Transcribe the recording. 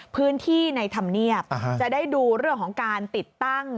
พื้นที่ในธรรมเนียบจะได้ดูเรื่องของการติดตั้ง